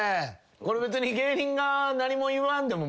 これ別に芸人が何も言わんでも。